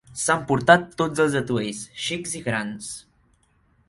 S'ha emportat tots els atuells: xics i grans.